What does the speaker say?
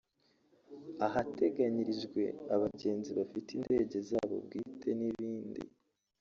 ahateganyirijwe abagenzi bafite indege zabo bwite n’ibindi